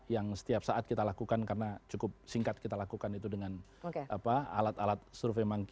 yang setiap saat kita lakukan karena cukup singkat kita lakukan itu dengan alat alat survei